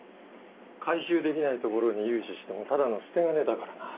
回収できないところに融資してもただの捨て金だからな。